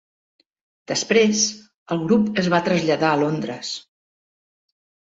Després, el grup es va traslladar a Londres.